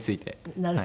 なるほどね。